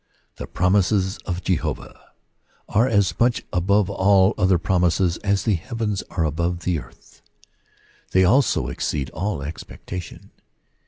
The promises of Jehovah are as much above all other promises as the heavens are above the earth. They also exceed all expectation.